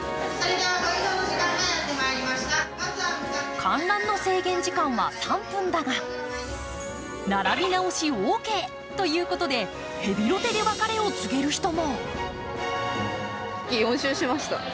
観覧の制限時間は３分だが、並び直しオーケーということで、ヘビロテで別れを告げる人も。